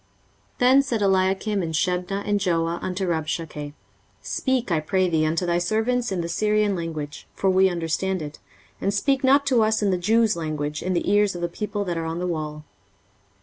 23:036:011 Then said Eliakim and Shebna and Joah unto Rabshakeh, Speak, I pray thee, unto thy servants in the Syrian language; for we understand it: and speak not to us in the Jews' language, in the ears of the people that are on the wall.